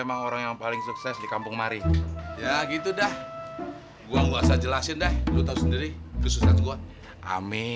abang betul betul ngekhawatirin kamu